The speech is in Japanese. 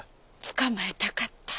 つかまえたかった。